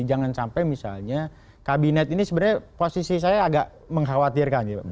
jangan sampai misalnya kabinet ini sebenarnya posisi saya agak mengkhawatirkan